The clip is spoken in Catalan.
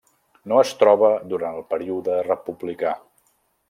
No es troba durant el període republicà.